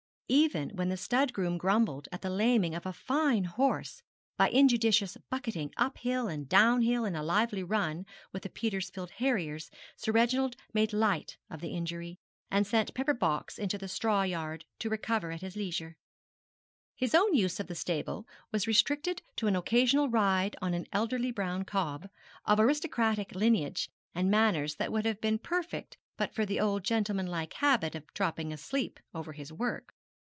Even when the stud groom grumbled at the laming of a fine horse by injudicious bucketting up hill and down hill in a lively run with the Petersfield Harriers. Sir Reginald made light of the injury, and sent Pepperbox into the straw yard to recover at his leisure. His own use of the stable was restricted to an occasional ride on an elderly brown cob, of aristocratic lineage and manners that would have been perfect but for the old gentleman like habit of dropping asleep over his work.